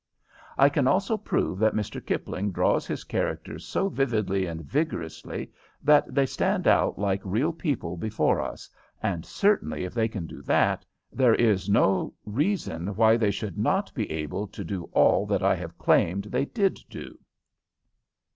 I can also prove that Mr. Kipling draws his characters so vividly and vigorously that they stand out like real people before us, and certainly if they can do that, there is no reason why they should not be able to do all that I have claimed they did do.